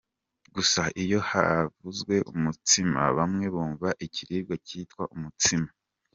Gusa iyo havuzwe umutsima, bamwe bumva ikiribwa cyitwa umutsima.